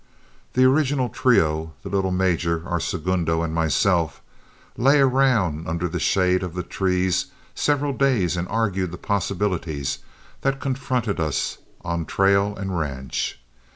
The original trio the little major, our segundo, and myself lay around under the shade of the trees several days and argued the possibilities that confronted us on trail and ranch.